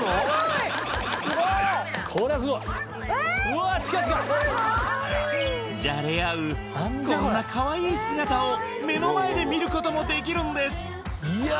うわ近い近いじゃれあうこんなかわいい姿を目の前で見ることもできるんです